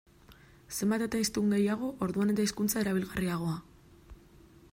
Zenbat eta hiztun gehiago, orduan eta hizkuntza erabilgarriagoa.